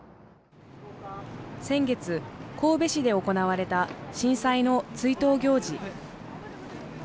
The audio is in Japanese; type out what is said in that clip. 先月、神戸市で行われた震災の追悼行事。